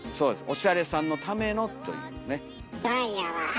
おしゃれさんのためのというね。